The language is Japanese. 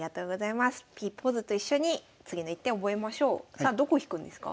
さあどこ引くんですか？